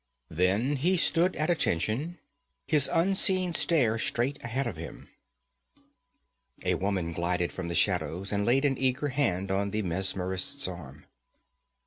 Then he stood at attention, his unseeing stare straight ahead of him. A woman glided from the shadows and laid an eager hand on the mesmerist's arm.